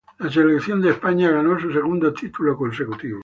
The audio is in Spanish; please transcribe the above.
La selección de España ganó su segundo título consecutivo.